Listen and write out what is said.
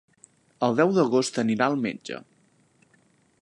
El deu d'agost anirà al metge.